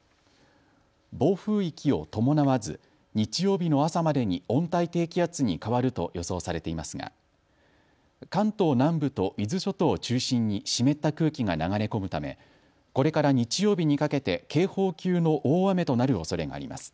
暴風域を伴わず日曜日の朝までに温帯低気圧に変わると予想されていますが関東南部と伊豆諸島を中心に湿った空気が流れ込むためこれから日曜日にかけて警報級の大雨となるおそれがあります。